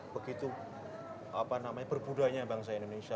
begitu apa namanya berbudaya bangsa indonesia